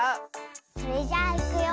それじゃあいくよ。